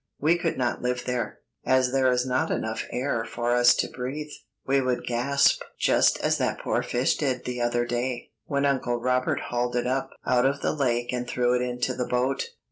We could not live there, as there is not enough air for us to breathe. We would gasp just as that poor fish did the other day, when Uncle Robert hauled it up out of the lake and threw it into the boat.